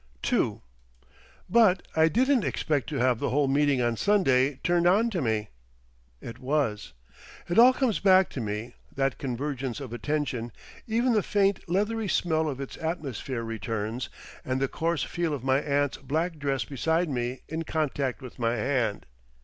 II But I didn't expect to have the whole meeting on Sunday turned on to me. It was. It all comes back to me, that convergence of attention, even the faint leathery smell of its atmosphere returns, and the coarse feel of my aunt's black dress beside me in contact with my hand.